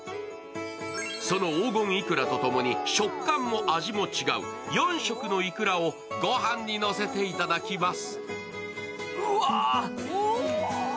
その黄金いくらとともに食感も味も違う４色のいくらをごはんにのせていただきます。